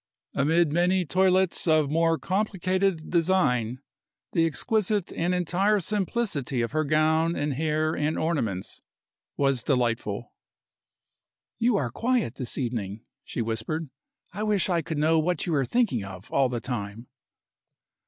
Amid many toilettes of more complicated design, the exquisite and entire simplicity of her gown and hair and ornaments was delightful. "You are quiet this evening," she whispered. "I wish I could know what you are thinking of all the time."